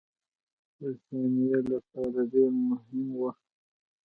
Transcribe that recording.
برټانیې لپاره ډېر مهم وه.